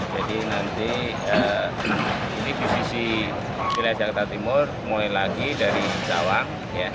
jadi nanti ini posisi wilayah jakarta timur mulai lagi dari cawang